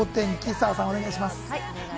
澤さん、お願いします。